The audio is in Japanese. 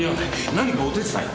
何かお手伝いを。